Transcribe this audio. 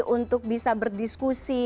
untuk bisa berdiskusi